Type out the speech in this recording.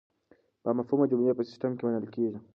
بامفهومه جملې په سیسټم کې منل کیږي.